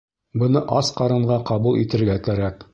Быны ас ҡарынға ҡабул итергә кәрәк